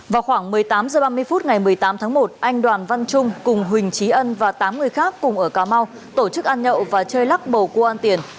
vào khoảng một mươi tám h ba mươi phút ngày một mươi tám tháng một anh đoàn văn trung cùng huỳnh trí ân và tám người khác cùng ở cà mau tổ chức ăn nhậu và chơi lắc bầu cua ăn tiền